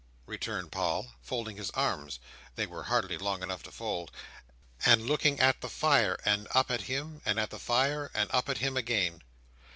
returned Paul, folding his arms (they were hardly long enough to fold), and looking at the fire, and up at him, and at the fire, and up at him again.